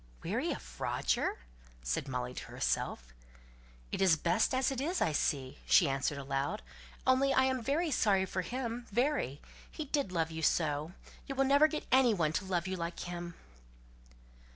"Weary of Roger!" said Molly to herself. "It is best as it is, I see," she answered aloud. "Only I'm very sorry for him, very. He did love you so. You will never get any one to love you like him!"